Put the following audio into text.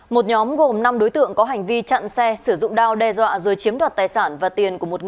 một nhóm gồm năm đối tượng có hành vi chặn xe sử dụng đao đe dọa rồi chiếm đoạt tài sản và tiền